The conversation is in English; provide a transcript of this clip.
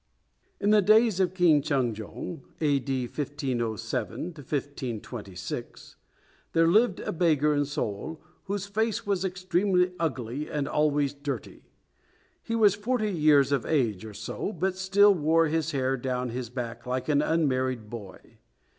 ] In the days of King Chung jong (A.D. 1507 1526) there lived a beggar in Seoul, whose face was extremely ugly and always dirty. He was forty years of age or so, but still wore his hair down his back like an unmarried boy.